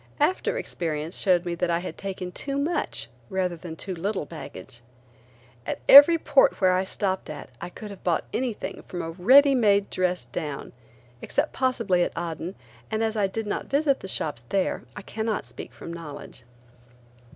After experience showed me that I had taken too much rather than too little baggage. At every port where I stopped at I could have bought anything from a ready made dress down, except possibly at Aden, and as I did not visit the shops there I cannot speak from knowledge.